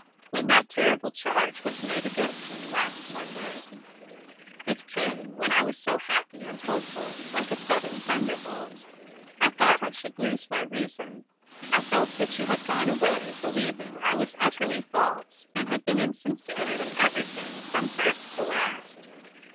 When that terrible charge was made against me last Monday it came, when I was so happy and hopeful, like a sudden thunderbolt I thought I should lose my reason. I felt that you had gone away believing I was utterly false and had been insincere in everything from first to last.